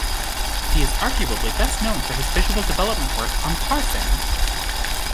He is arguably best known for his visual development work on "Tarzan".